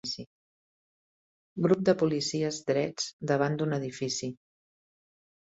Grup de policies drets davant d'un edifici.